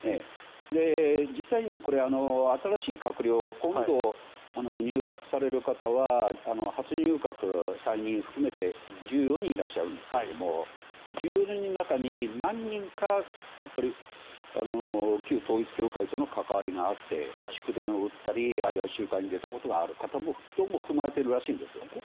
実際にこれ、新しい閣僚今度入閣される方は初入閣、再任含めて１４人いらっしゃるんですが１４人の中に何人か、やっぱり旧統一教会との関わりがあって祝電を打ったりあるいは集会に出たことがある方もどうも含まれているらしいんです。